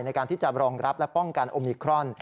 ในการที่จะรองรับและป้องกันโอมิครอน